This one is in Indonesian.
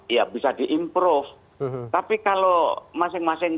ya bisa di improve tapi kalau masing masing